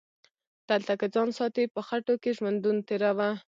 دلته که ځان ساتي په خټو کې ژوندون تیروه